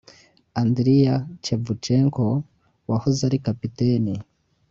Andriy Shevchenko wahaze ari capiteni